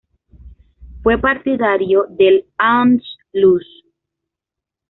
Fue partidario del Anschluss.